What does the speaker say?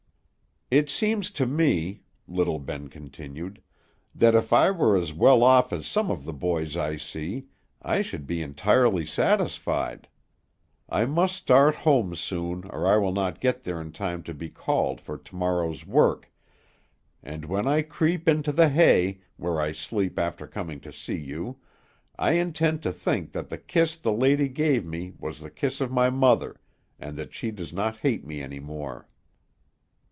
"It seems to me," little Ben continued, "that if I were as well off as some of the boys I see, I should be entirely satisfied. I must start home soon, or I will not get there in time to be called for to morrow's work, and when I creep into the hay, where I sleep after coming to see you, I intend to think that the kiss the lady gave me was the kiss of my mother, and that she does not hate me any more."